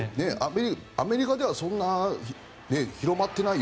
アメリカではそんなに広まっていないよ